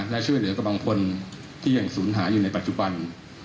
และช่วยเหลือกับบางคนที่ยังสูญหายอยู่ในปัจจุบัน